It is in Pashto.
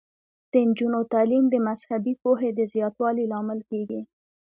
د نجونو تعلیم د مذهبي پوهې د زیاتوالي لامل کیږي.